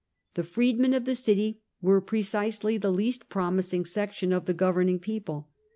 The freedmen of the city were precisely the least promising section of the governing people.